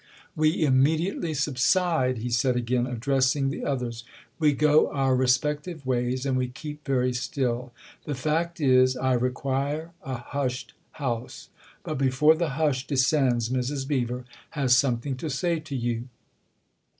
We immediately subside," he said again, addressing the others ;" we go our respective ways and we keep very still. The fact is I require a hushed house. But before the hush descends Mrs. Beever has something to say to you."